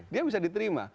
dia bisa diterima